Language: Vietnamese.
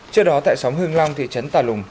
trước đó tại xóm hưng long thị trấn tà lùng